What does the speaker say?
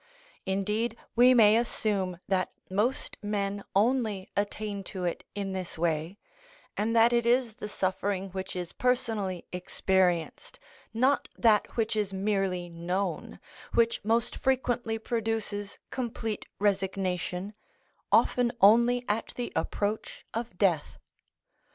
Indeed, we may assume that most men only attain to it in this way, and that it is the suffering which is personally experienced, not that which is merely known, which most frequently produces complete resignation, often only at the approach of death.